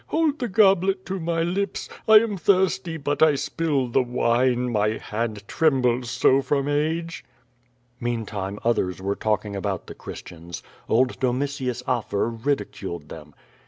"Hold the goblet to my lips. I am thirsty, but I spill the wine, my hand trembles so from age." ]y[eantime others also were talking about the Cliristians. Old Domitius Afor ridiculed tlicni.